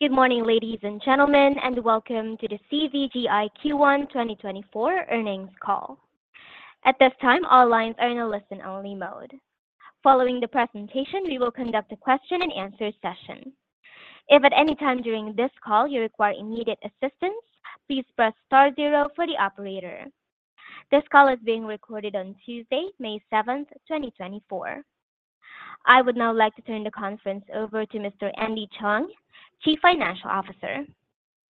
Good morning, ladies and gentlemen, and welcome to the CVGI Q1 2024 earnings call. At this time, all lines are in a listen-only mode. Following the presentation, we will conduct a question-and-answer session. If at any time during this call you require immediate assistance, please press star zero for the operator. This call is being recorded on Tuesday, May 7, 2024. I would now like to turn the conference over to Mr. Andy Cheung, Chief Financial Officer.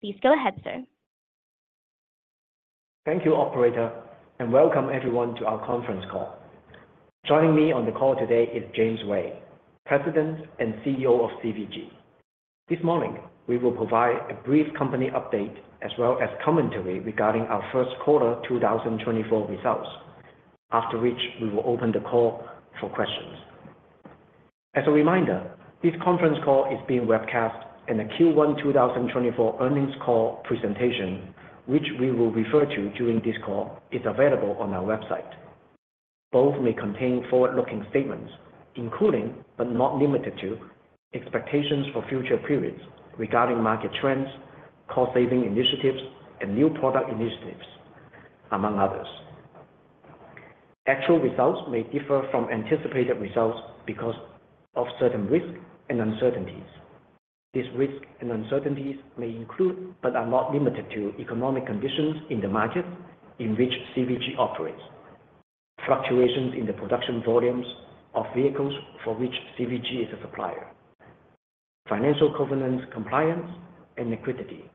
Please go ahead, sir. Thank you, operator, and welcome everyone to our conference call. Joining me on the call today is James Ray, President and CEO of CVG. This morning, we will provide a brief company update as well as commentary regarding our first quarter 2024 results. After which, we will open the call for questions. As a reminder, this conference call is being webcast in the Q1 2024 earnings call presentation, which we will refer to during this call, is available on our website. Both may contain forward-looking statements, including, but not limited to expectations for future periods regarding market trends, cost-saving initiatives, and new product initiatives, among others. Actual results may differ from anticipated results because of certain risks and uncertainties. These risks and uncertainties may include, but are not limited to, economic conditions in the market in which CVG operates, fluctuations in the production volumes of vehicles for which CVG is a supplier, financial governance, compliance, and liquidity,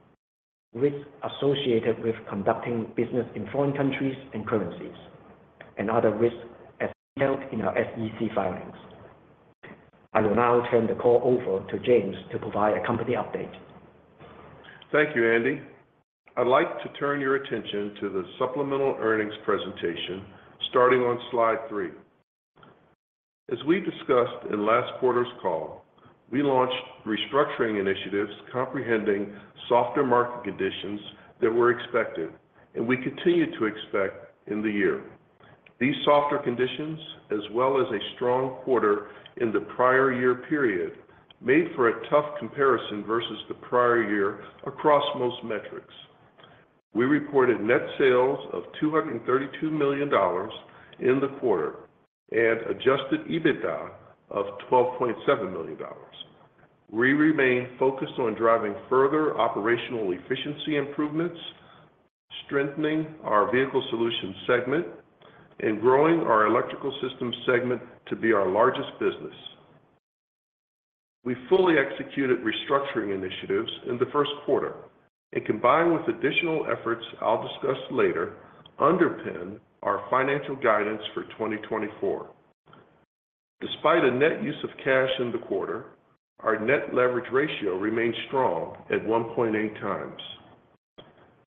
risks associated with conducting business in foreign countries and currencies, and other risks as detailed in our SEC filings. I will now turn the call over to James to provide a company update. Thank you, Andy. I'd like to turn your attention to the supplemental earnings presentation, starting on slide three. As we discussed in last quarter's call, we launched restructuring initiatives comprehending softer market conditions that were expected, and we continue to expect in the year. These softer conditions, as well as a strong quarter in the prior year period, made for a tough comparison versus the prior year across most metrics. We reported net sales of $232 million in the quarter and adjusted EBITDA of $12.7 million. We remain focused on driving further operational efficiency improvements, strengthening our Vehicle Solutions segment, and growing our Electrical Systems segment to be our largest business. We fully executed restructuring initiatives in the first quarter, and combined with additional efforts I'll discuss later, underpin our financial guidance for 2024. Despite a net use of cash in the quarter, our net leverage ratio remains strong at 1.8 times.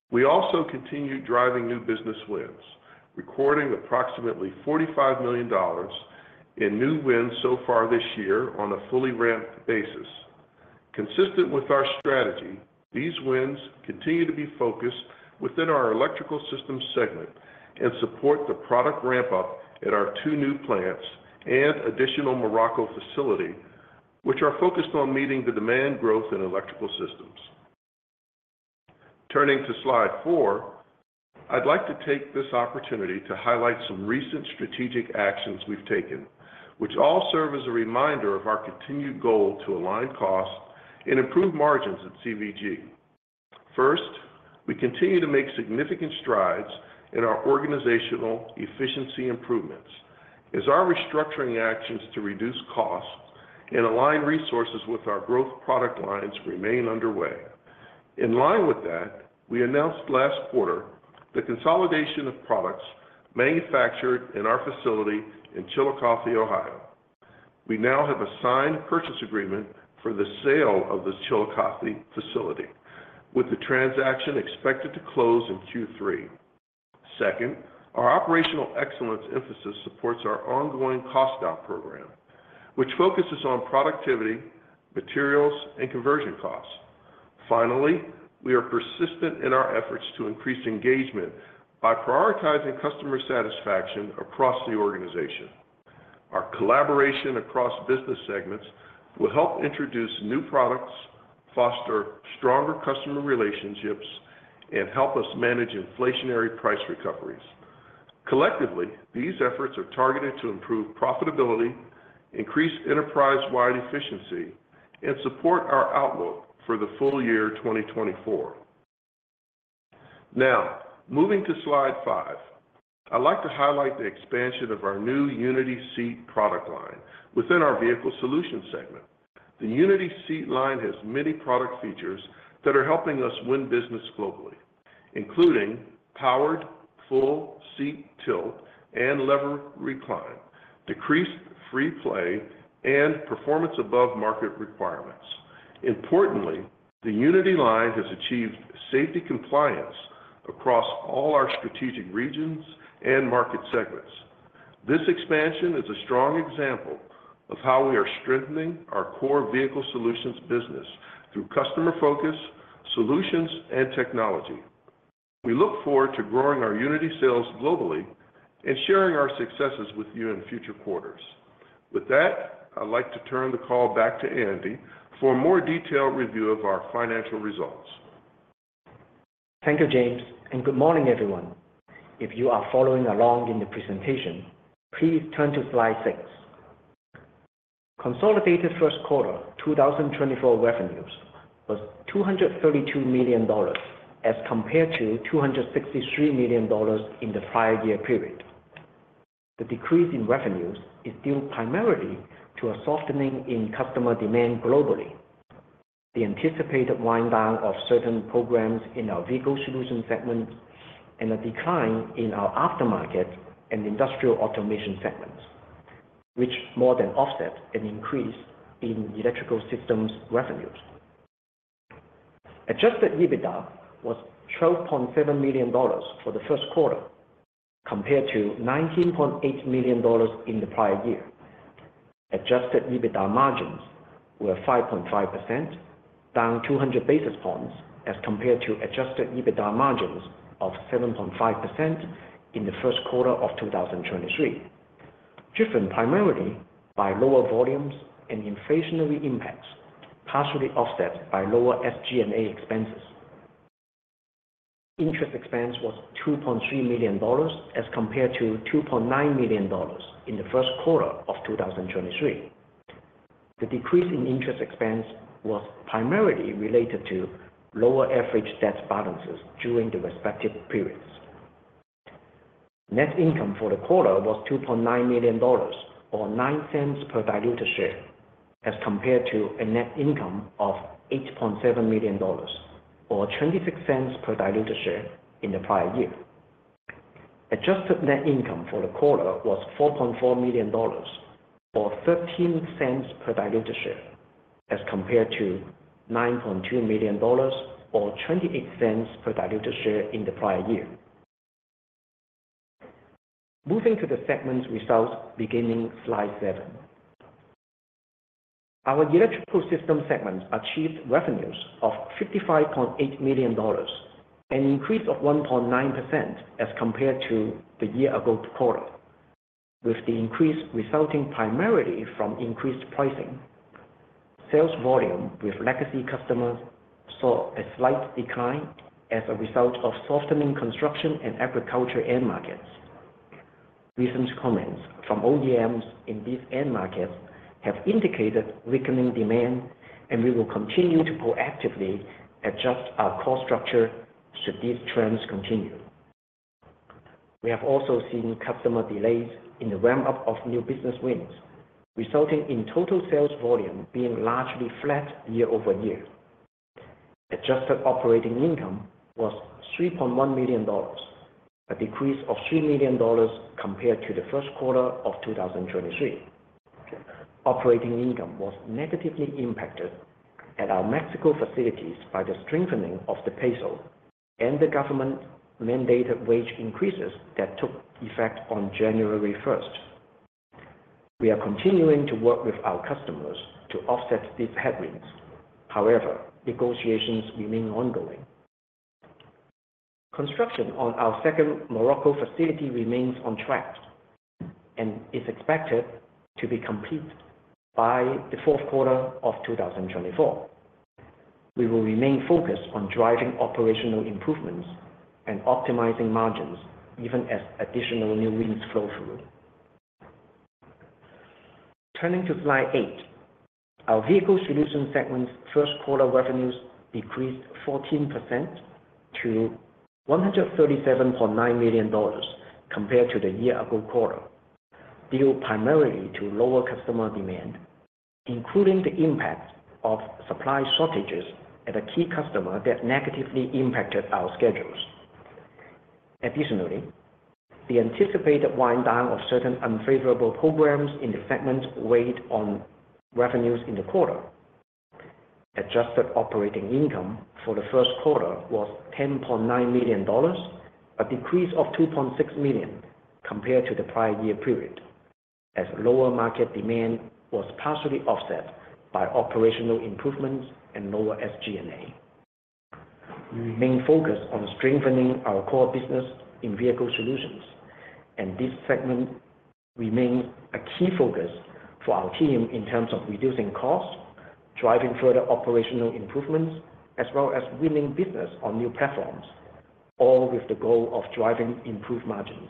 We also continued driving new business wins, recording approximately $45 million in new wins so far this year on a fully ramped basis. Consistent with our strategy, these wins continue to be focused within our Electrical Systems segment and support the product ramp-up at our two new plants and additional Morocco facility, which are focused on meeting the demand growth in Electrical Systems. Turning to slide four, I'd like to take this opportunity to highlight some recent strategic actions we've taken, which all serve as a reminder of our continued goal to align costs and improve margins at CVG. First, we continue to make significant strides in our organizational efficiency improvements as our restructuring actions to reduce costs and align resources with our growth product lines remain underway. In line with that, we announced last quarter the consolidation of products manufactured in our facility in Chillicothe, Ohio. We now have a signed purchase agreement for the sale of this Chillicothe facility, with the transaction expected to close in Q3. Second, our operational excellence emphasis supports our ongoing cost out program, which focuses on productivity, materials, and conversion costs. Finally, we are persistent in our efforts to increase engagement by prioritizing customer satisfaction across the organization. Our collaboration across business segments will help introduce new products, foster stronger customer relationships, and help us manage inflationary price recoveries. Collectively, these efforts are targeted to improve profitability, increase enterprise-wide efficiency, and support our outlook for the full year 2024. Now, moving to slide five. I'd like to highlight the expansion of our new Unity Seat product line within our Vehicle Solutions segment. The Unity Seat line has many product features that are helping us win business globally, including powered full seat tilt and lever recline, decreased free play, and performance above market requirements. Importantly, the Unity line has achieved safety compliance across all our strategic regions and market segments. This expansion is a strong example of how we are strengthening our core Vehicle Solutions business through customer focus, solutions, and technology. We look forward to growing our Unity sales globally and sharing our successes with you in future quarters. With that, I'd like to turn the call back to Andy for a more detailed review of our financial results. Thank you, James, and good morning, everyone. If you are following along in the presentation, please turn to slide six. Consolidated first quarter 2024 revenues was $232 million, as compared to $263 million in the prior year period. The decrease in revenues is due primarily to a softening in customer demand globally. The anticipated wind down of certain programs in our Vehicle Solutions segment, and a decline in our Aftermarket and Industrial Automation segments, which more than offset an increase in Electrical Systems revenues. Adjusted EBITDA was $12.7 million for the first quarter, compared to $19.8 million in the prior year. Adjusted EBITDA margins were 5.5%, down 200 basis points as compared to adjusted EBITDA margins of 7.5% in the first quarter of 2023, driven primarily by lower volumes and inflationary impacts, partially offset by lower SG&A expenses. Interest expense was $2.3 million, as compared to $2.9 million in the first quarter of 2023. The decrease in interest expense was primarily related to lower average debt balances during the respective periods. Net income for the quarter was $2.9 million, or $0.09 per diluted share, as compared to a net income of $8.7 million, or $0.26 per diluted share in the prior year. Adjusted net income for the quarter was $4.4 million, or $0.13 per diluted share, as compared to $9.2 million, or $0.28 per diluted share in the prior year. Moving to the segment results, beginning slide seven. Our Electrical System segment achieved revenues of $55.8 million, an increase of 1.9% as compared to the year-ago quarter, with the increase resulting primarily from increased pricing. Sales volume with legacy customers saw a slight decline as a result of softening construction and agriculture end markets. Recent comments from OEMs in these end markets have indicated weakening demand, and we will continue to proactively adjust our cost structure should these trends continue. We have also seen customer delays in the ramp-up of new business wins, resulting in total sales volume being largely flat year-over-year. Adjusted operating income was $3.1 million, a decrease of $3 million compared to the first quarter of 2023. Operating income was negatively impacted at our Mexico facilities by the strengthening of the peso and the government-mandated wage increases that took effect on January first. We are continuing to work with our customers to offset these headwinds. However, negotiations remain ongoing. Construction on our second Morocco facility remains on track and is expected to be complete by the fourth quarter of 2024. We will remain focused on driving operational improvements and optimizing margins, even as additional new wins flow through. Turning to slide eight, our Vehicle Solutions segment's first quarter revenues decreased 14% to $137.9 million compared to the year-ago quarter, due primarily to lower customer demand, including the impact of supply shortages at a key customer that negatively impacted our schedules. Additionally, the anticipated wind down of certain unfavorable programs in the segment weighed on revenues in the quarter. Adjusted operating income for the first quarter was $10.9 million, a decrease of $2.6 million compared to the prior-year period, as lower market demand was partially offset by operational improvements and lower SG&A. We remain focused on strengthening our core business in Vehicle Solutions, and this segment remains a key focus for our team in terms of reducing costs, driving further operational improvements, as well as winning business on new platforms, all with the goal of driving improved margins.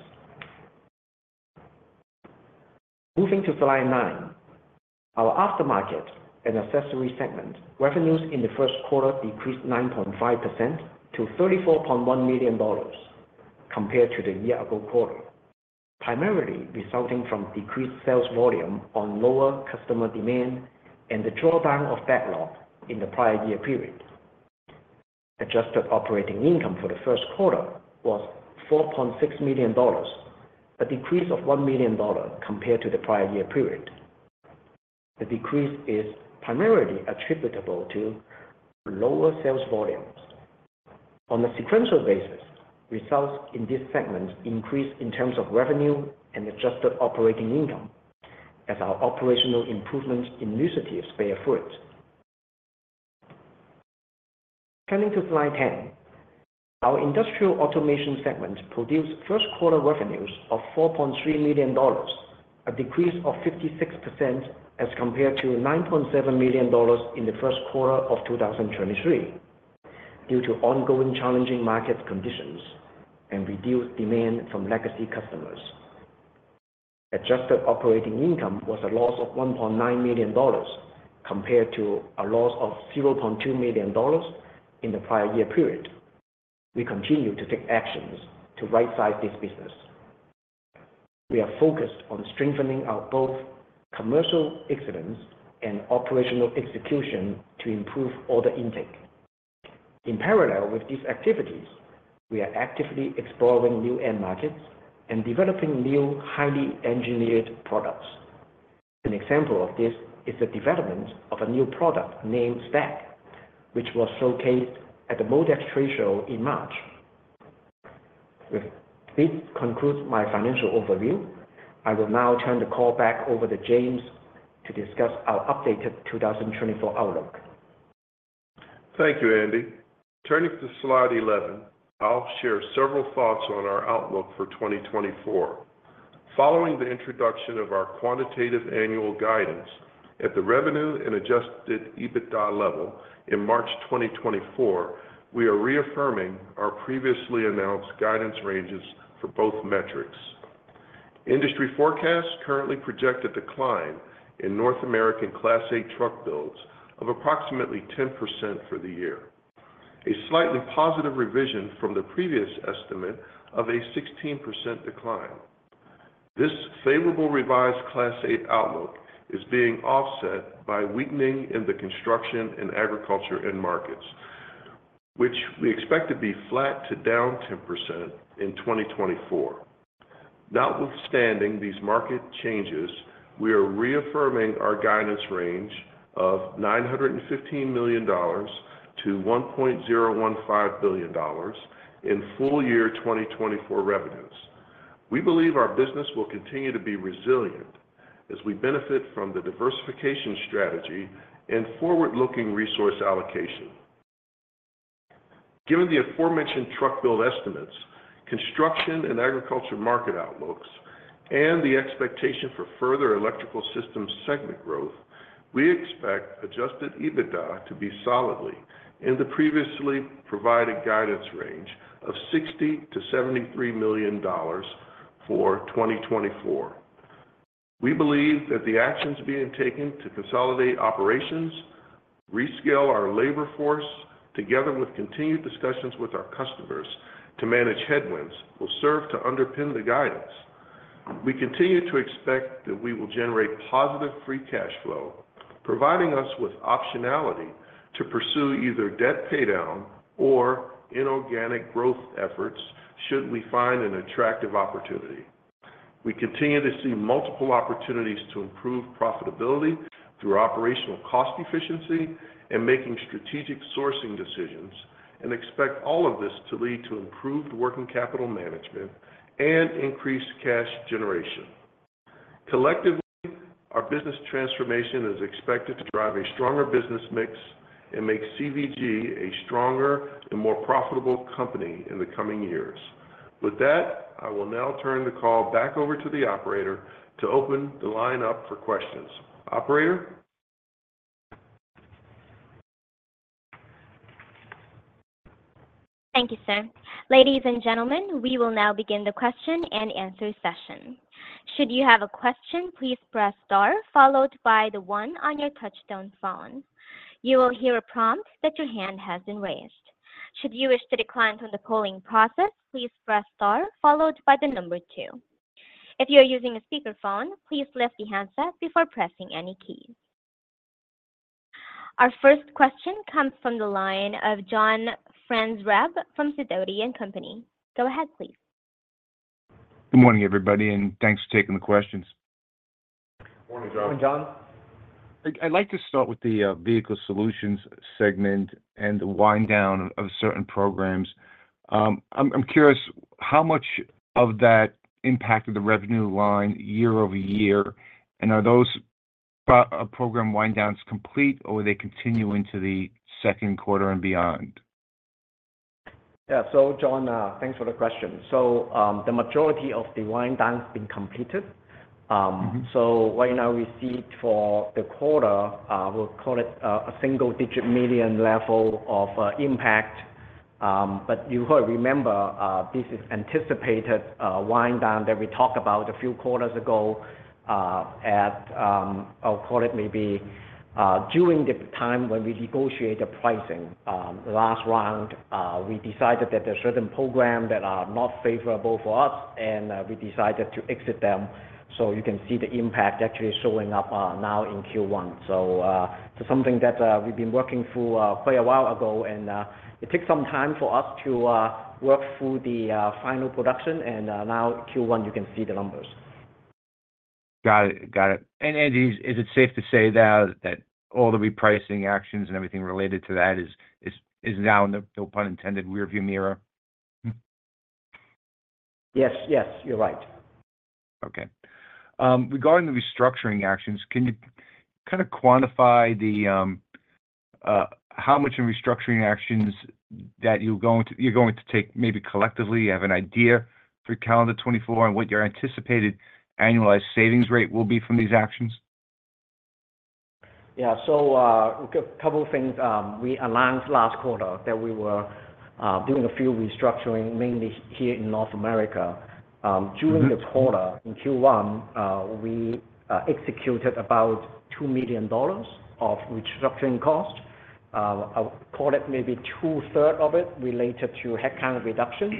Moving to slide nine, our Aftermarket and Accessory segment revenues in the first quarter decreased 9.5% to $34.1 million compared to the year-ago quarter, primarily resulting from decreased sales volume on lower customer demand and the drawdown of backlog in the prior year period. Adjusted operating income for the first quarter was $4.6 million, a decrease of $1 million compared to the prior year period. The decrease is primarily attributable to lower sales volumes. On a sequential basis, results in this segment increased in terms of revenue and adjusted operating income as our operational improvement initiatives bear fruit. Turning to Slide 10. Our Industrial Automation segment produced first quarter revenues of $4.3 million, a decrease of 56% as compared to $9.7 million in the first quarter of 2023, due to ongoing challenging market conditions and reduced demand from legacy customers. Adjusted operating income was a loss of $1.9 million compared to a loss of $0.2 million in the prior year period. We continue to take actions to rightsize this business. We are focused on strengthening our both commercial excellence and operational execution to improve order intake. In parallel with these activities, we are actively exploring new end markets and developing new highly engineered products. An example of this is the development of a new product named Stack, which was showcased at the MODEX Trade Show in March. With this concludes my financial overview. I will now turn the call back over to James to discuss our updated 2024 outlook. Thank you, Andy. Turning to slide 11, I'll share several thoughts on our outlook for 2024. Following the introduction of our quantitative annual guidance at the revenue and adjusted EBITDA level in March 2024, we are reaffirming our previously announced guidance ranges for both metrics. Industry forecasts currently project a decline in North American Class 8 truck builds of approximately 10% for the year, a slightly positive revision from the previous estimate of a 16% decline. This favorable revised Class 8 outlook is being offset by weakening in the construction and agriculture end markets, which we expect to be flat to down 10% in 2024. Notwithstanding these market changes, we are reaffirming our guidance range of $915 million-$1.015 billion in full year 2024 revenues. We believe our business will continue to be resilient as we benefit from the diversification strategy and forward-looking resource allocation. Given the aforementioned truck build estimates, construction and agriculture market outlooks, and the expectation for further Electrical Systems segment growth, we expect adjusted EBITDA to be solidly in the previously provided guidance range of $60-$73 million for 2024. We believe that the actions being taken to consolidate operations, rescale our labor force, together with continued discussions with our customers to manage headwinds, will serve to underpin the guidance. We continue to expect that we will generate positive free cash flow, providing us with optionality to pursue either debt paydown or inorganic growth efforts should we find an attractive opportunity. We continue to see multiple opportunities to improve profitability through operational cost efficiency and making strategic sourcing decisions, and expect all of this to lead to improved working capital management and increased cash generation. Collectively, our business transformation is expected to drive a stronger business mix and make CVG a stronger and more profitable company in the coming years. With that, I will now turn the call back over to the operator to open the line up for questions. Operator? Thank you, sir. Ladies and gentlemen, we will now begin the question and answer session. Should you have a question, please press star followed by the one on your touchtone phone. You will hear a prompt that your hand has been raised. Should you wish to decline from the polling process, please press star followed by the number two. If you are using a speakerphone, please lift the handset before pressing any keys. Our first question comes from the line of John Franzreb from Sidoti & Company. Go ahead, please. Good morning, everybody, and thanks for taking the questions. Morning, John. Morning, John. I'd like to start with the Vehicle Solutions segment and the wind down of certain programs. I'm curious, how much of that impacted the revenue line year-over-year? And are those program wind downs complete, or they continue into the second quarter and beyond? Yeah. So John, thanks for the question. So, the majority of the wind down has been completed. Mm-hmm. So right now we see it for the quarter, we'll call it a $1-$9 million level of impact. But you will remember, this is anticipated wind down that we talked about a few quarters ago, at, I'll call it maybe, during the time when we negotiate the pricing. Last round, we decided that there are certain programs that are not favorable for us, and we decided to exit them. So you can see the impact actually showing up, now in Q1. So, so something that we've been working through quite a while ago, and it takes some time for us to work through the final production, and now Q1, you can see the numbers. Got it. Got it. And Andy, is it safe to say that all the repricing actions and everything related to that is now in the, no pun intended, rearview mirror? Hmm. Yes, yes, you're right. Okay. Regarding the restructuring actions, can you kind of quantify how much in restructuring actions that you're going to, you're going to take, maybe collectively, you have an idea for calendar 2024 and what your anticipated annualized savings rate will be from these actions? Yeah. So, a couple of things. We announced last quarter that we were doing a few restructuring, mainly here in North America. During the quarter, in Q1, we executed about $2 million of restructuring costs. I would call it maybe two-thirds of it related to headcount reductions,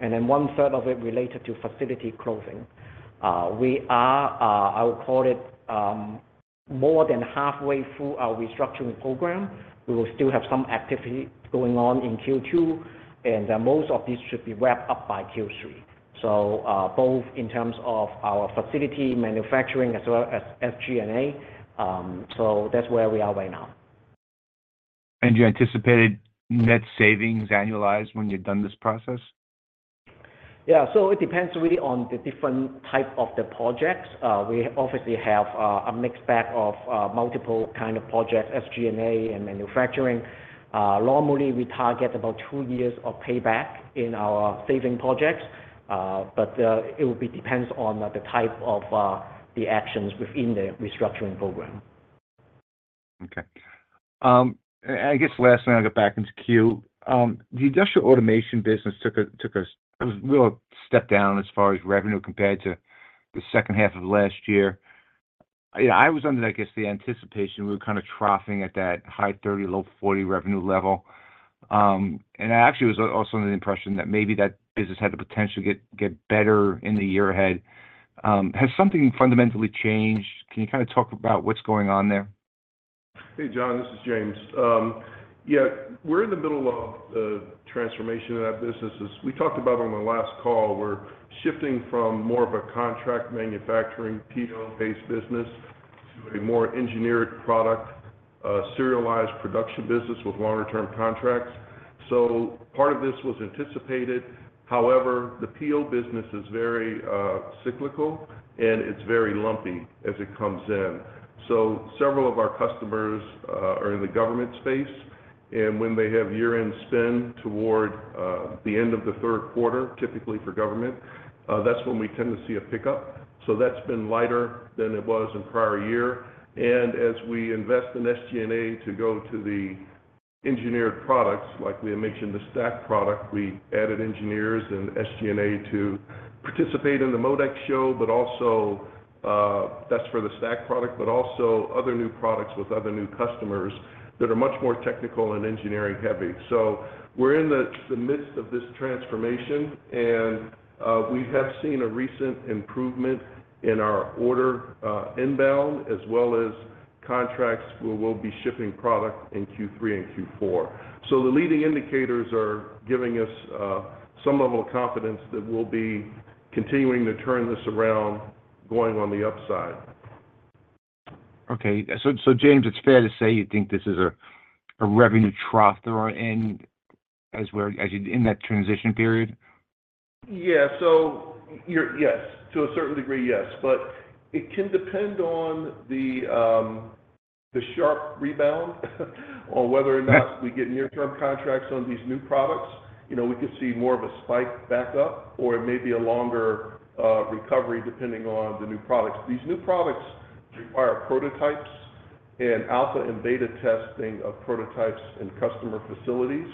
and then one-third of it related to facility closing. We are, I would call it, more than halfway through our restructuring program. We will still have some activity going on in Q2, and then most of these should be wrapped up by Q3. So, both in terms of our facility manufacturing as well as SG&A. So that's where we are right now. You anticipated net savings annualized when you're done this process? Yeah. So it depends really on the different type of the projects. We obviously have a mixed bag of multiple kind of projects, SG&A and manufacturing. Normally, we target about two years of payback in our saving projects, but it will be depends on the type of the actions within the restructuring program. Okay. And I guess lastly, I'll get back into queue. The Industrial Automation business took a real step down as far as revenue compared to the second half of last year. I was under, I guess, the anticipation we were kind of troughing at that high 30, low 40 revenue level. And I actually was also under the impression that maybe that business had the potential to get better in the year ahead. Has something fundamentally changed? Can you kind of talk about what's going on there? Hey, John, this is James. Yeah, we're in the middle of the transformation of that business. As we talked about on the last call, we're shifting from more of a contract manufacturing, PO-based business to a more engineered product, serialized production business with longer term contracts. So part of this was anticipated. However, the PO business is very, cyclical, and it's very lumpy as it comes in. So several of our customers are in the government space, and when they have year-end spend toward the end of the third quarter, typically for government, that's when we tend to see a pickup. So that's been lighter than it was in prior year. And as we invest in SG&A to go to the engineered products, like we had mentioned, the Stack product, we added engineers and SG&A to participate in the MODEX show, but also that's for the Stack product, but also other new products with other new customers that are much more technical and engineering-heavy. So we're in the midst of this transformation, and we have seen a recent improvement in our order inbound, as well as contracts, where we'll be shipping product in Q3 and Q4. So the leading indicators are giving us some level of confidence that we'll be continuing to turn this around, going on the upside. Okay. So, James, it's fair to say you think this is a revenue trough that we're in as in that transition period? Yeah. So you're, yes, to a certain degree, yes. But it can depend on the sharp rebound, on whether or not- Yeah -we get near term contracts on these new products. You know, we could see more of a spike back up, or it may be a longer, recovery depending on the new products. These new products require prototypes and alpha and beta testing of prototypes in customer facilities,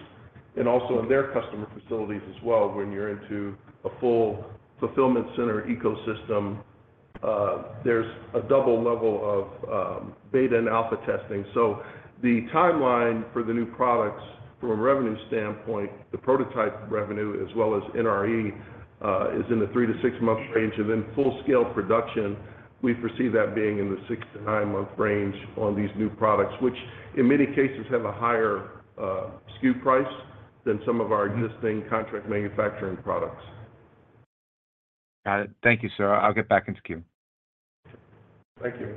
and also in their customer facilities as well, when you're into a full fulfillment center ecosystem, there's a double level of, beta and alpha testing. So the timeline for the new products from a revenue standpoint, the prototype revenue, as well as NRE, is in the 3- to 6-month range, and then full-scale production, we foresee that being in the 6- to 9-month range on these new products, which in many cases have a higher, SKU price than some of our existing contract manufacturing products. Got it. Thank you, sir. I'll get back into queue. Thank you.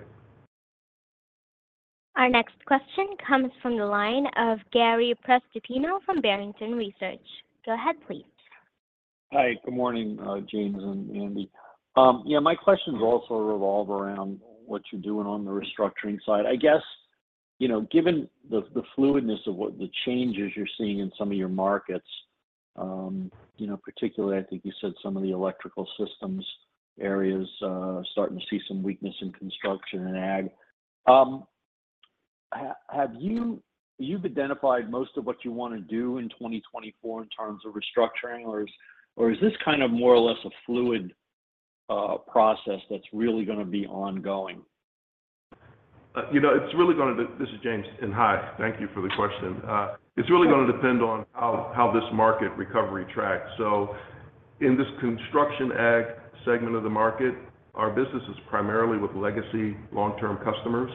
Our next question comes from the line of Gary Prestopino from Barrington Research. Go ahead, please. Hi, good morning, James and Andy. Yeah, my questions also revolve around what you're doing on the restructuring side. I guess, you know, given the fluidness of what the changes you're seeing in some of your markets, you know, particularly, I think you said some of the Electrical Systems areas starting to see some weakness in construction and ag. Have you identified most of what you want to do in 2024 in terms of restructuring, or is this kind of more or less a fluid process that's really gonna be ongoing? You know, it's really gonna- This is James, and hi, thank you for the question. It's really gonna depend on how this market recovery tracks. So in this construction ag segment of the market, our business is primarily with legacy long-term customers.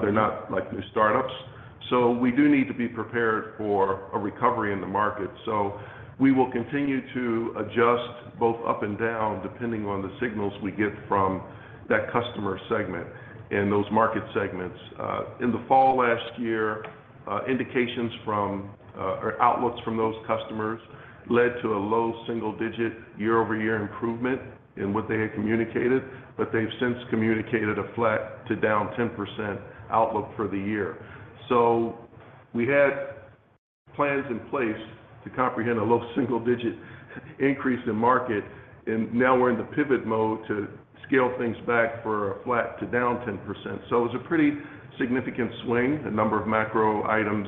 They're not like new startups. So we do need to be prepared for a recovery in the market. So we will continue to adjust both up and down, depending on the signals we get from that customer segment and those market segments. In the fall last year, indications from or outlooks from those customers led to a low single digit year-over-year improvement in what they had communicated, but they've since communicated a flat to down 10% outlook for the year. So we had plans in place to comprehend a low single digit increase in market, and now we're in the pivot mode to scale things back for a flat to down 10%. So it was a pretty significant swing. A number of macro items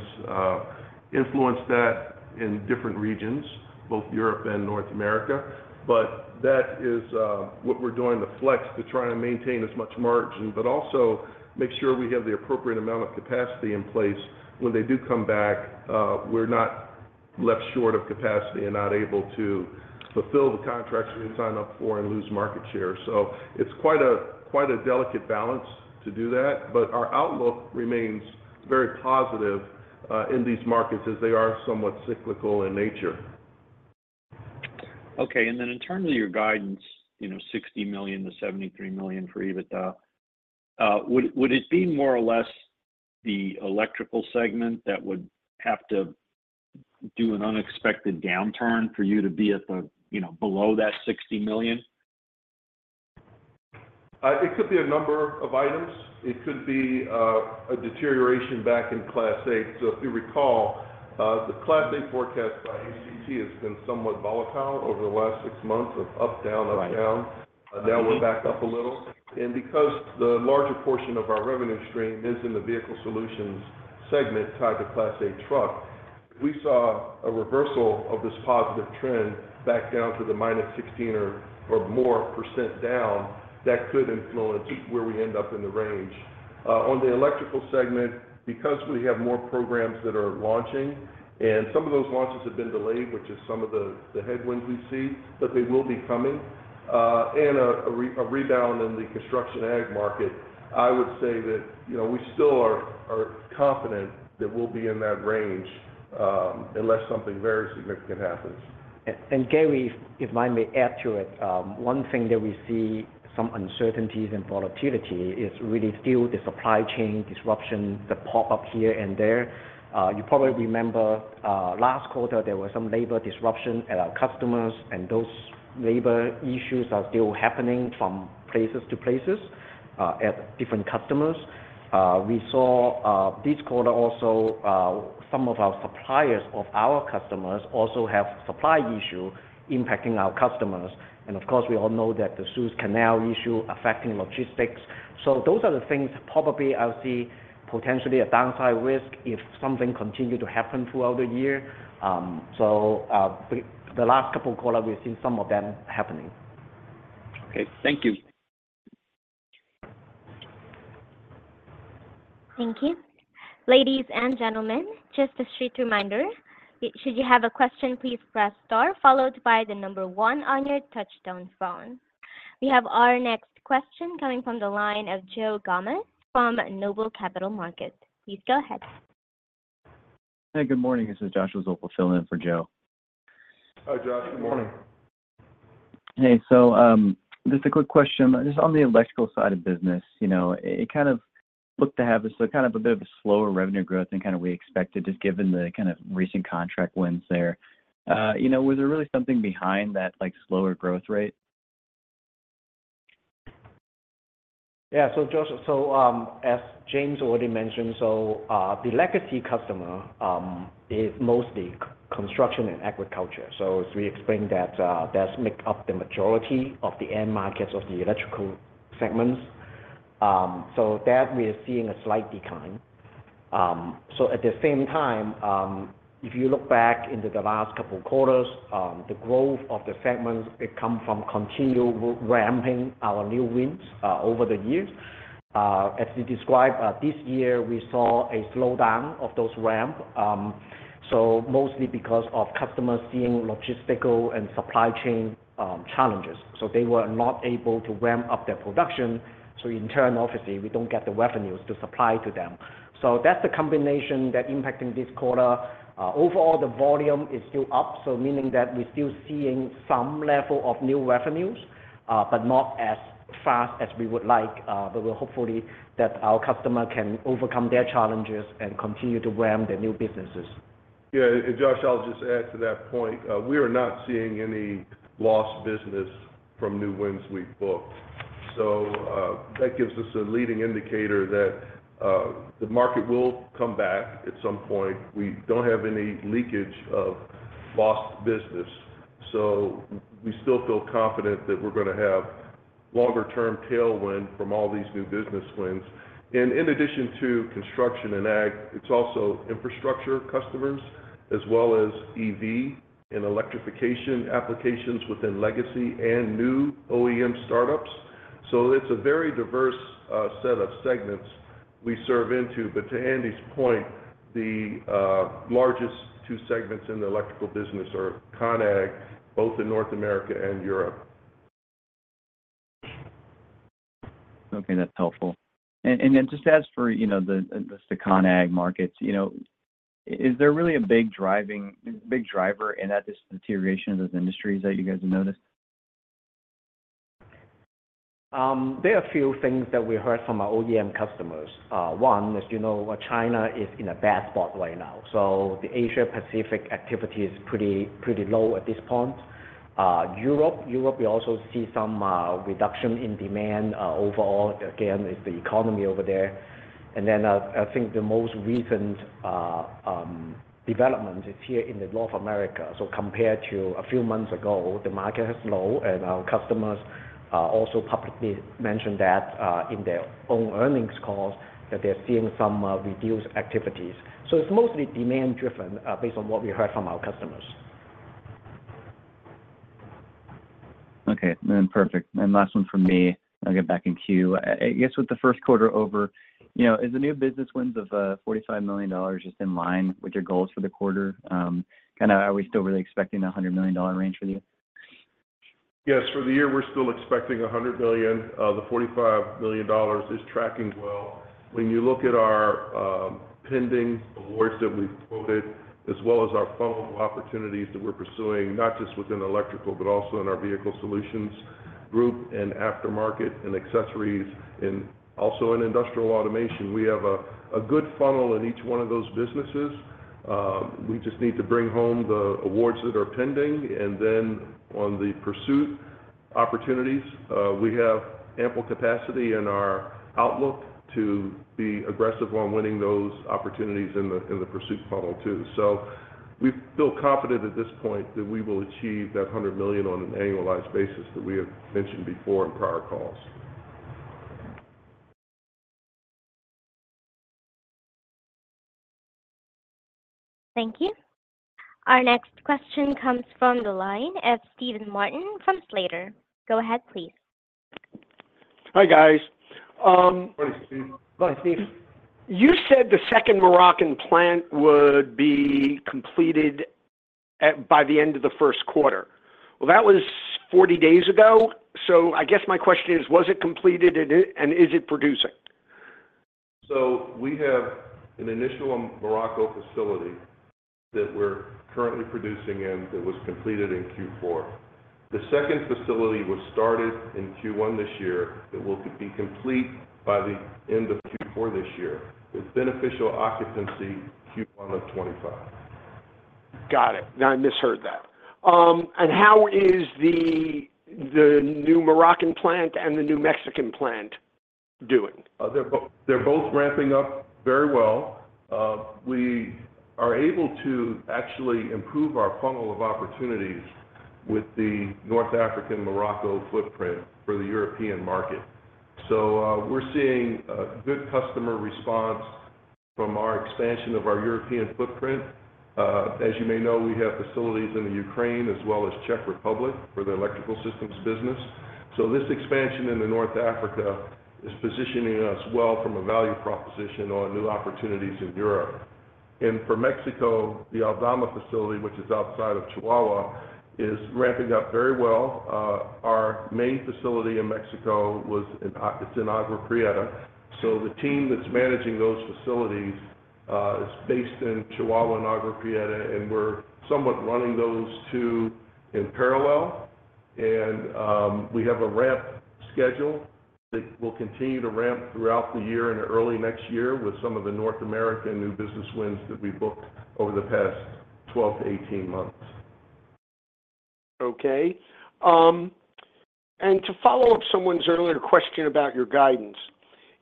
influenced that in different regions, both Europe and North America. But that is what we're doing, the flex, to try to maintain as much margin, but also make sure we have the appropriate amount of capacity in place. When they do come back, we're not left short of capacity and not able to fulfill the contracts we sign up for and lose market share. So it's quite a, quite a delicate balance to do that, but our outlook remains very positive in these markets as they are somewhat cyclical in nature. Okay, and then in terms of your guidance, you know, $60 million-$73 million for EBITDA, would it be more or less the electrical segment that would have to do an unexpected downturn for you to be at the, you know, below that $60 million? It could be a number of items. It could be a deterioration back in Class 8. So if you recall, the Class 8 forecast by ACT has been somewhat volatile over the last six months of up, down, up, down. Right. Now we're back up a little, and because the larger portion of our revenue stream is in the Vehicle Solutions segment, tied to Class 8 truck, we saw a reversal of this positive trend back down to the -16% or more down. That could influence where we end up in the range. On the electrical segment, because we have more programs that are launching, and some of those launches have been delayed, which is some of the headwinds we see, but they will be coming. And a rebound in the construction ag market, I would say that, you know, we still are confident that we'll be in that range, unless something very significant happens. Gary, if I may add to it, one thing that we see some uncertainties and volatility is really still the supply chain disruption that pop up here and there. You probably remember, last quarter, there was some labor disruption at our customers, and those labor issues are still happening from places to places, at different customers. We saw, this quarter also, some of our suppliers of our customers also have supply issue impacting our customers, and of course, we all know that the Suez Canal issue affecting logistics. So those are the things probably I'll see potentially a downside risk if something continue to happen throughout the year. The last couple of quarter, we've seen some of them happening. Okay. Thank you. Thank you. Ladies and gentlemen, just a straight reminder. Should you have a question, please press star followed by the number one on your touchtone phone. We have our next question coming from the line of Joe Gomes from Noble Capital Markets. Please go ahead. Hey, good morning. This is Joshua Zoepfel filling in for Joe. Hi, Josh. Good morning. Hey, so, just a quick question. Just on the electrical side of business, you know, it, it kind of looked to have this, a kind of a bit of a slower revenue growth than kind of we expected, just given the kind of recent contract wins there. You know, was there really something behind that, like, slower growth rate? Yeah. So Josh, so, as James already mentioned, so, the legacy customer, is mostly construction and agriculture. So as we explained that, that's make up the majority of the end markets of the electrical segments. So at the same time, if you look back into the last couple of quarters, the growth of the segments, it come from continual ramping our new wins, over the years. As we described, this year, we saw a slowdown of those ramp, so mostly because of customers seeing logistical and supply chain, challenges, so they were not able to ramp up their production. So in turn, obviously, we don't get the revenues to supply to them. So that's the combination that impacting this quarter. Overall, the volume is still up, so meaning that we're still seeing some level of new revenues, but not as fast as we would like. But well, hopefully, that our customer can overcome their challenges and continue to ramp their new businesses. Yeah. And Josh, I'll just add to that point. We are not seeing any lost business from new wins we've booked. So, that gives us a leading indicator that the market will come back at some point. We don't have any leakage of lost business, so we still feel confident that we're gonna have longer term tailwind from all these new business wins. And in addition to construction and ag, it's also infrastructure customers, as well as EV and electrification applications within legacy and new OEM startups. So it's a very diverse set of segments we serve into. But to Andy's point, the largest two segments in the electrical business are ConAg, both in North America and Europe. Okay, that's helpful. And then just as for, you know, the ConAg markets, you know, is there really a big driver in that this deterioration of those industries that you guys have noticed? There are a few things that we heard from our OEM customers. One, as you know, China is in a bad spot right now, so the Asia-Pacific activity is pretty, pretty low at this point. Europe, Europe, we also see some reduction in demand, overall. Again, it's the economy over there. And then, I think the most recent development is here in the North America. So compared to a few months ago, the market is low, and our customers also publicly mentioned that in their own earnings calls, that they're seeing some reduced activities. So it's mostly demand-driven, based on what we heard from our customers. Okay, then perfect. And last one from me, I'll get back in queue. I guess, with the first quarter over, you know, is the new business wins of $45 million just in line with your goals for the quarter? Kinda, are we still really expecting a $100 million range for the year? Yes, for the year, we're still expecting $100 million. The $45 million is tracking well. When you look at our pending awards that we've quoted, as well as our funnel opportunities that we're pursuing, not just within Electrical, but also in our Vehicle Solutions group and Aftermarket and Accessories, and also in Industrial Automation, we have a good funnel in each one of those businesses. We just need to bring home the awards that are pending, and then on the pursuit opportunities, we have ample capacity in our outlook to be aggressive on winning those opportunities in the pursuit funnel, too. So we feel confident at this point that we will achieve that $100 million on an annualized basis that we have mentioned before in prior calls. Thank you. Our next question comes from the line of Steven Martin from Slater. Go ahead, please. Hi, guys. Hi, Steve. Hi, Steve. You said the second Moroccan plant would be completed by the end of the first quarter. Well, that was 40 days ago, so I guess my question is: Was it completed, and is it producing? We have an initial Morocco facility that we're currently producing in, that was completed in Q4. The second facility was started in Q1 this year. It will be complete by the end of Q4 this year, with beneficial occupancy Q1 of 2025. Got it. Now, I misheard that. How is the new Moroccan plant and the new Mexican plant doing? They're both ramping up very well. We are able to actually improve our funnel of opportunities with the North African Morocco footprint for the European market. So, we're seeing a good customer response from our expansion of our European footprint. As you may know, we have facilities in the Ukraine as well as Czech Republic for the Electrical Systems business. So this expansion into North Africa is positioning us well from a value proposition on new opportunities in Europe. And for Mexico, the Aldama facility, which is outside of Chihuahua, is ramping up very well. Our main facility in Mexico is in Agua Prieta. So the team that's managing those facilities is based in Chihuahua and Agua Prieta, and we're somewhat running those two in parallel. We have a ramp schedule that will continue to ramp throughout the year and early next year with some of the North American new business wins that we booked over the past 12-18 months. Okay. And to follow up someone's earlier question about your guidance,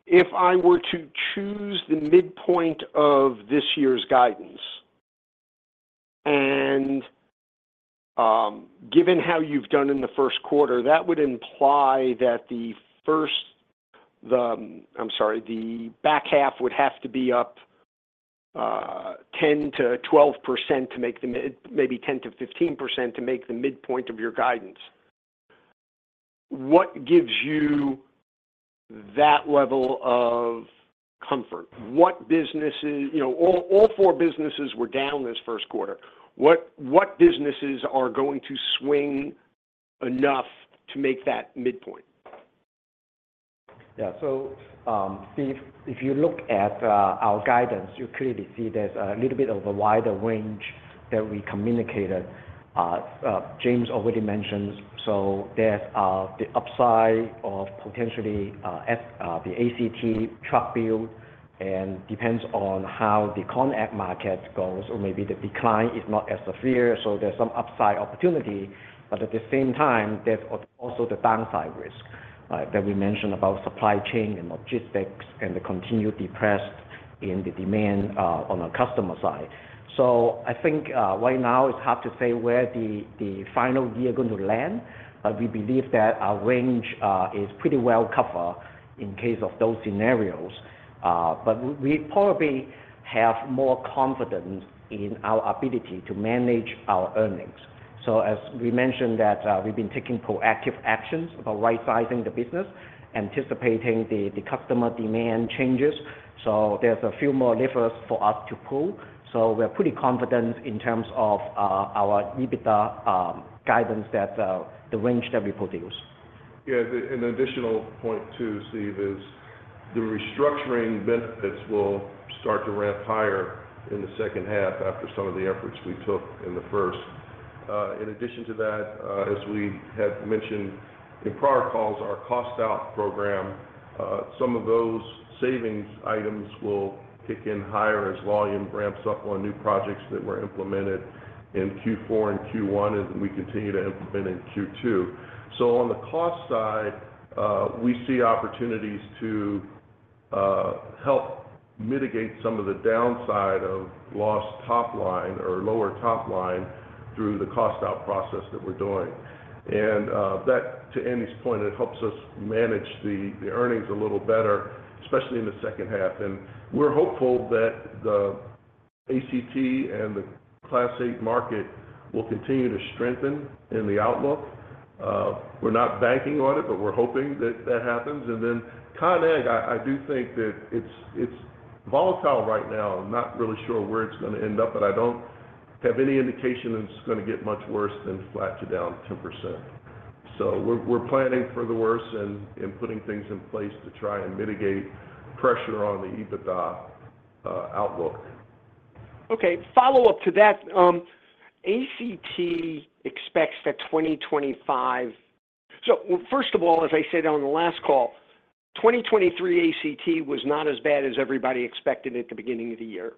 if I were to choose the midpoint of this year's guidance, and, given how you've done in the first quarter, that would imply that the back half would have to be up 10%-12% to make the midpoint, maybe 10%-15%, to make the midpoint of your guidance. What gives you that level of comfort? What businesses, you know, all four businesses were down this first quarter. What businesses are going to swing enough to make that midpoint? Yeah. So, Steve, if you look at our guidance, you clearly see there's a little bit of a wider range that we communicated. James already mentioned. So there's the upside of potentially the ACT truck build and depends on how the end market goes, or maybe the decline is not as severe, so there's some upside opportunity. But at the same time, there's also the downside risk that we mentioned about supply chain and logistics and the continued depression in the demand on the customer side. So I think right now, it's hard to say where the final year is going to land, but we believe that our range is pretty well covered in case of those scenarios. But we probably have more confidence in our ability to manage our earnings. So as we mentioned that, we've been taking proactive actions about right-sizing the business, anticipating the customer demand changes, so there's a few more levers for us to pull. So we're pretty confident in terms of our EBITDA guidance that the range that we produce. Yeah, an additional point too, Steve, is the restructuring benefits will start to ramp higher in the second half after some of the efforts we took in the first. In addition to that, as we have mentioned in prior calls, our cost out program, some of those savings items will kick in higher as volume ramps up on new projects that were implemented in Q4 and Q1, as we continue to implement in Q2. So on the cost side, we see opportunities to help mitigate some of the downside of lost top line or lower top line through the cost out process that we're doing. And that, to Andy's point, it helps us manage the earnings a little better, especially in the second half. And we're hopeful that the ACT and the Class 8 market will continue to strengthen in the outlook. We're not banking on it, but we're hoping that that happens. And then the next, I do think that it's volatile right now. I'm not really sure where it's going to end up, but I don't have any indication that it's going to get much worse than flat to down 2%. We're planning for the worst and putting things in place to try and mitigate pressure on the EBITDA outlook. Okay, follow-up to that. ACT expects that 2025- so first of all, as I said on the last call, 2023 ACT was not as bad as everybody expected at the beginning of the year.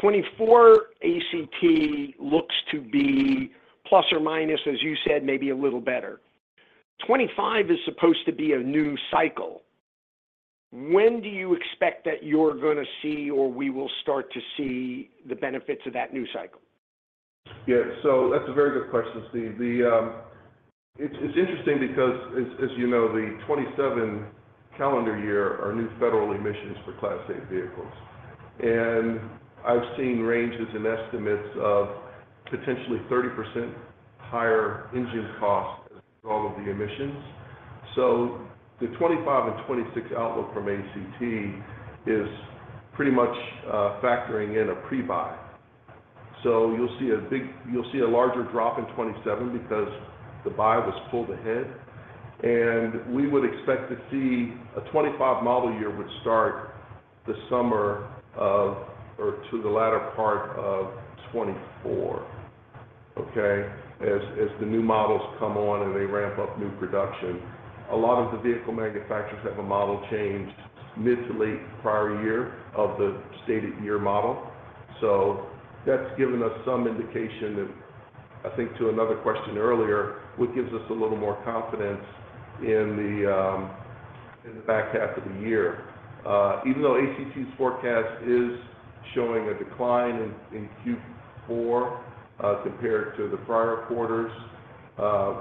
2024 ACT looks to be ±, as you said, maybe a little better. 2025 is supposed to be a new cycle. When do you expect that you're going to see or we will start to see the benefits of that new cycle? Yeah. So that's a very good question, Steve. The, it's interesting because as you know, the 2027 calendar year are new federal emissions for Class 8 vehicles. And I've seen ranges and estimates of potentially 30% higher engine costs as all of the emissions. So the 2025 and 2026 outlook from ACT is pretty much, factoring in a pre-buy. So you'll see a big-- you'll see a larger drop in 2027 because the buy was pulled ahead, and we would expect to see a 2025 model year would start the summer of, or to the latter part of 2024, okay? As the new models come on and they ramp up new production. A lot of the vehicle manufacturers have a model change mid-to-late prior year of the stated year model. So that's given us some indication that, I think to another question earlier, what gives us a little more confidence in the, in the back half of the year. Even though ACT's forecast is showing a decline in Q4, compared to the prior quarters,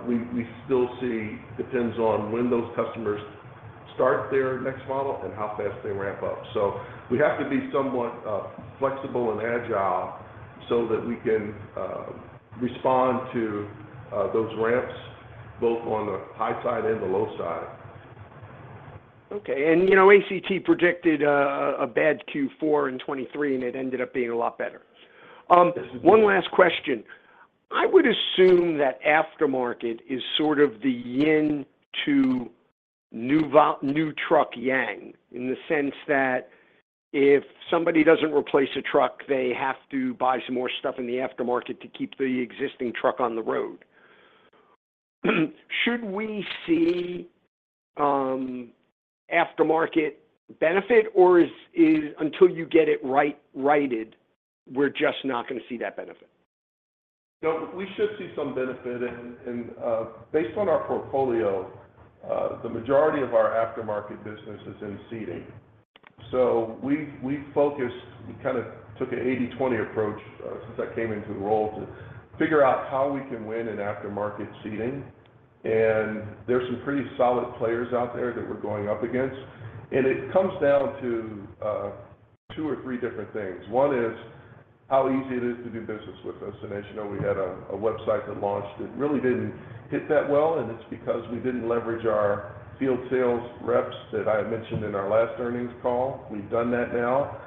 we still see depends on when those customers start their next model and how fast they ramp up. So we have to be somewhat flexible and agile so that we can respond to those ramps, both on the high side and the low side. Okay. And, you know, ACT predicted a bad Q4 in 2023, and it ended up being a lot better. One last question. I would assume that aftermarket is sort of the yin to new truck yang, in the sense that if somebody doesn't replace a truck, they have to buy some more stuff in the aftermarket to keep the existing truck on the road. Should we see aftermarket benefit, or is until you get it right, righted, we're just not going to see that benefit? No, we should see some benefit, and based on our portfolio, the majority of our Aftermarket business is in seating. So we focused, we kind of took an 80/20 approach, since I came into the role, to figure out how we can win in aftermarket seating, and there's some pretty solid players out there that we're going up against. And it comes down to two or three different things. One is how easy it is to do business with us. And as you know, we had a website that launched. It really didn't hit that well, and it's because we didn't leverage our field sales reps that I had mentioned in our last earnings call. We've done that now.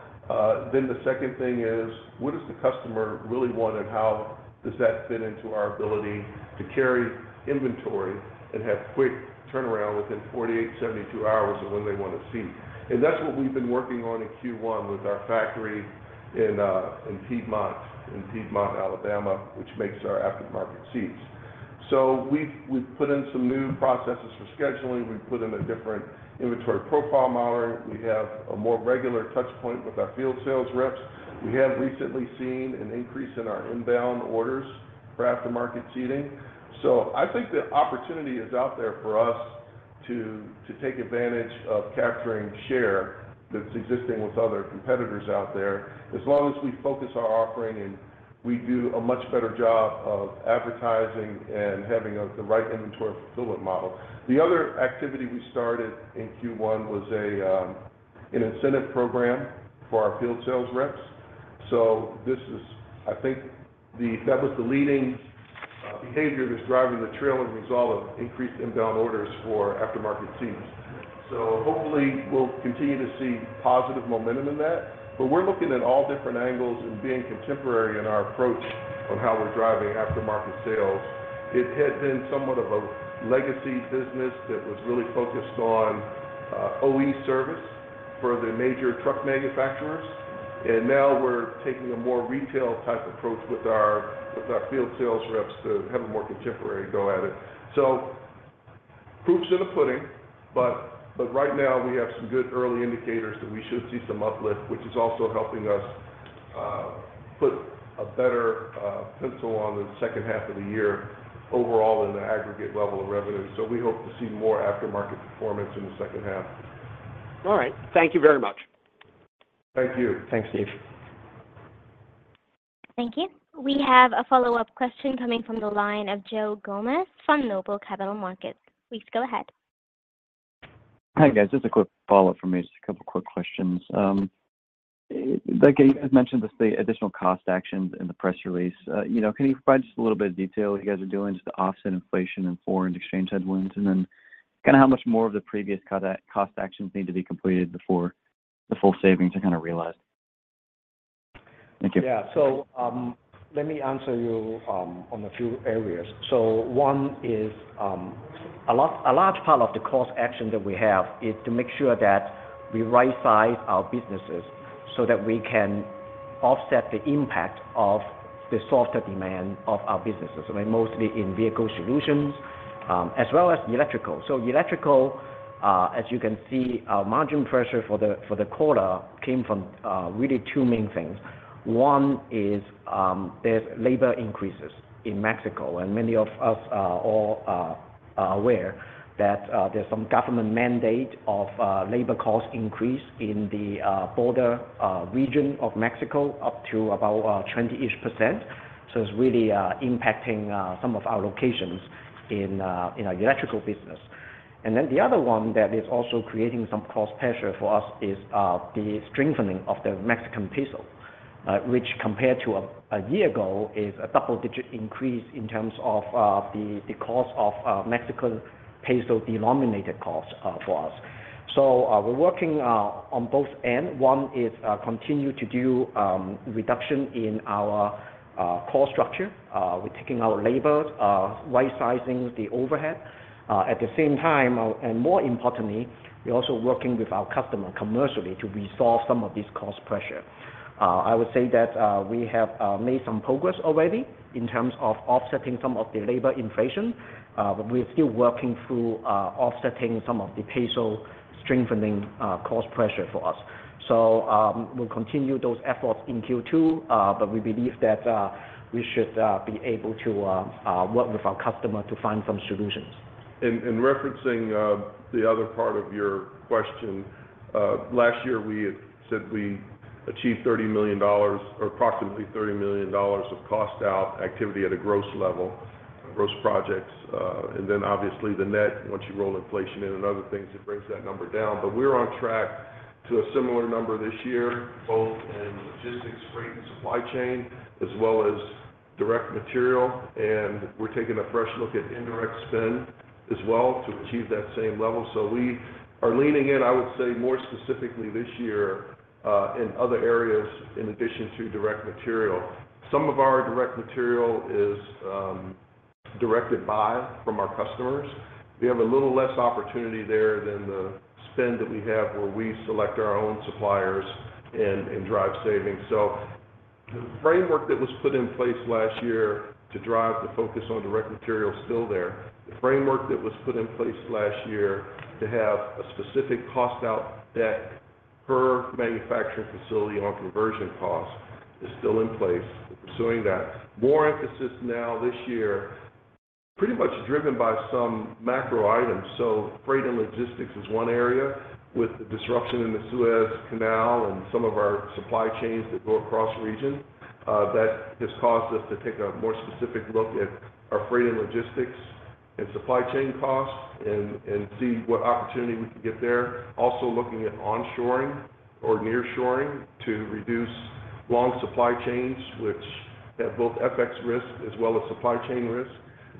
Then the second thing is, what does the customer really want, and how does that fit into our ability to carry inventory and have quick turnaround within 48, 72 hours of when they want a seat? And that's what we've been working on in Q1 with our factory in Piedmont, Alabama, which makes our aftermarket seats. So we've put in some new processes for scheduling. We've put in a different inventory profile modeling. We have a more regular touch point with our field sales reps. We have recently seen an increase in our inbound orders for aftermarket seating. So I think the opportunity is out there for us to take advantage of capturing share that's existing with other competitors out there. As long as we focus our offering and we do a much better job of advertising and having the right inventory fulfillment model. The other activity we started in Q1 was an incentive program for our field sales reps. So this is, I think, that was the leading behavior that's driving the trailing result of increased inbound orders for aftermarket seats. So hopefully, we'll continue to see positive momentum in that. But we're looking at all different angles and being contemporary in our approach on how we're driving aftermarket sales. It had been somewhat of a legacy business that was really focused on OE service for the major truck manufacturers, and now we're taking a more retail-type approach with our field sales reps to have a more contemporary go at it. So proof's in the pudding, but, but right now we have some good early indicators that we should see some uplift, which is also helping us, put a better, pencil on the second half of the year overall in the aggregate level of revenue. So we hope to see more aftermarket performance in the second half. All right. Thank you very much. Thank you. Thanks, Steve. Thank you. We have a follow-up question coming from the line of Joe Gomes from Noble Capital Markets. Please go ahead. Hi, guys. Just a quick follow-up from me, just a couple quick questions. Like you guys mentioned, the additional cost actions in the press release, you know, can you provide just a little bit of detail what you guys are doing just to offset inflation and foreign exchange headwinds? And then kinda how much more of the previous cost actions need to be completed before the full savings are kinda realized? Thank you. Yeah. So, let me answer you on a few areas. So one is, a lot, a large part of the cost action that we have is to make sure that we right-size our businesses, so that we can offset the impact of the softer demand of our businesses, mostly in Vehicle Solutions, as well as electrical. So electrical, as you can see, our margin pressure for the quarter came from really two main things. One is, there's labor increases in Mexico, and many of us are all aware that, there's some government mandate of labor cost increase in the border region of Mexico up to about 20-ish%. So it's really impacting some of our locations in our electrical business. And then the other one that is also creating some cost pressure for us is the strengthening of the Mexican peso, which compared to a year ago is a double-digit increase in terms of the cost of Mexican peso-denominated costs for us. So we're working on both ends. One is continue to do reduction in our cost structure. We're taking our labor right-sizing the overhead. At the same time and more importantly, we're also working with our customer commercially to resolve some of these cost pressure. I would say that we have made some progress already in terms of offsetting some of the labor inflation, but we're still working through offsetting some of the peso strengthening cost pressure for us. So, we'll continue those efforts in Q2, but we believe that we should be able to work with our customer to find some solutions. Referencing the other part of your question, last year, we had said we achieved $30 million, or approximately $30 million of cost out activity at a gross level, gross projects. And then obviously the net, once you roll inflation in and other things, it brings that number down. But we're on track to a similar number this year, both in logistics, freight, and supply chain, as well as direct material. And we're taking a fresh look at indirect spend as well to achieve that same level. So we are leaning in, I would say, more specifically this year, in other areas in addition to direct material. Some of our direct material is directed by from our customers. We have a little less opportunity there than the spend that we have, where we select our own suppliers and drive savings. So the framework that was put in place last year to drive the focus on direct material is still there. The framework that was put in place last year to have a specific cost out deck per manufacturing facility on conversion costs is still in place. We're pursuing that. More emphasis now this year, pretty much driven by some macro items. Freight and logistics is one area with the disruption in the Suez Canal and some of our supply chains that go across region. That has caused us to take a more specific look at our freight and logistics and supply chain costs and see what opportunity we can get there. Also looking at onshoring or nearshoring to reduce long supply chains, which have both FX risk as well as supply chain risk.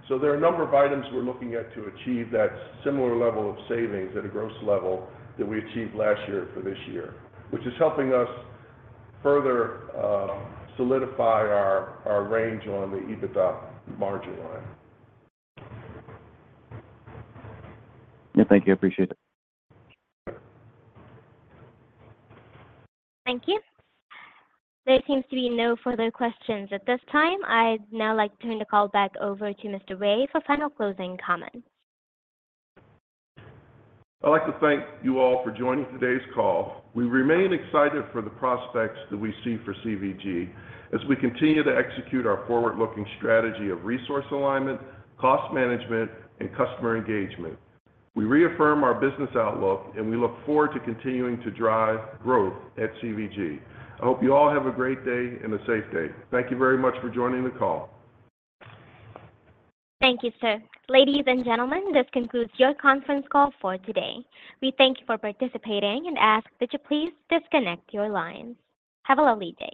There are a number of items we're looking at to achieve that similar level of savings at a gross level that we achieved last year for this year, which is helping us further solidify our range on the EBITDA margin line. Yeah, thank you. I appreciate it. Thank you. There seems to be no further questions at this time. I'd now like to turn the call back over to Mr. Ray for final closing comments. I'd like to thank you all for joining today's call. We remain excited for the prospects that we see for CVG as we continue to execute our forward-looking strategy of resource alignment, cost management, and customer engagement. We reaffirm our business outlook, and we look forward to continuing to drive growth at CVG. I hope you all have a great day and a safe day. Thank you very much for joining the call. Thank you, sir. Ladies and gentlemen, this concludes your conference call for today. We thank you for participating and ask that you please disconnect your lines. Have a lovely day.